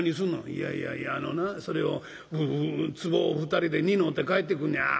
「いやいやいやあのなそれをつぼを２人で担うて帰ってくんねん」。